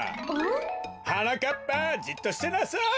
はなかっぱじっとしてなさい。